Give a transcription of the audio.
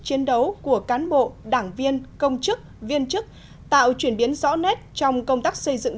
chiến đấu của cán bộ đảng viên công chức viên chức tạo chuyển biến rõ nét trong công tác xây dựng